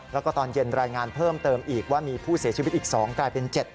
แล้วก็ตอนเย็นรายงานเพิ่มเติมอีกว่ามีผู้เสียชีวิตอีก๒กลายเป็น๗